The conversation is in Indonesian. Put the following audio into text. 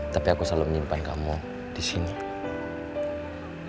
tapi aku selalu menyimpan kamu disini